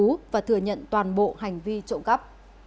giờ thừa nhận toàn bộ hành vi trộm cắp